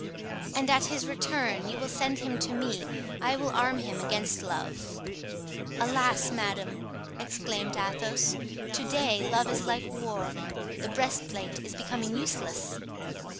"And at his return you will send him to me. I will arm him against love." "Alas, madame!" exclaimed Athos, "to day love is like war—the breastplate is becoming useless."